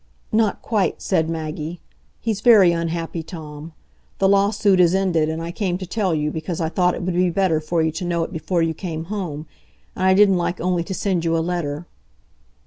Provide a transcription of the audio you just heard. "Not quite," said Maggie. "He's very unhappy, Tom. The lawsuit is ended, and I came to tell you because I thought it would be better for you to know it before you came home, and I didn't like only to send you a letter."